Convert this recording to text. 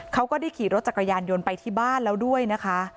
เขาก็ได้ขี่รถจักรยานยนต์ไปที่บ้านแล้วด้วยนะคะ